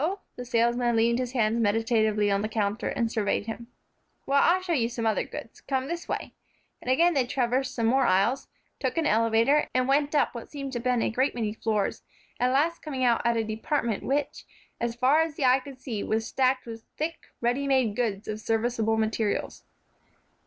the salesman leaned his hands meditatively on the counter, and surveyed him. "Well, I'll show you some other goods. Come this way," and again they traversed some more aisles, took an elevator, and went up what seemed to Ben a great many floors, at last coming out to a department which, as far as the eye could see, was stacked with thick, ready made goods of serviceable materials.